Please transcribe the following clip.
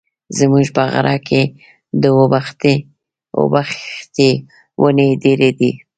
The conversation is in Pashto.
زموږ په غره کي د اوبښتي وني ډېري دي.